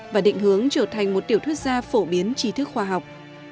và định hướng trở thành một tiểu thuyết gia phổ biến trí thức khoa học